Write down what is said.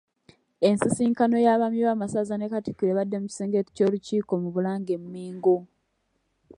Ensisinkano y'abaami b'amasaza ne Katikkiro ebadde mu kisenge ky’Olukiiko mu Bulange e Mengo.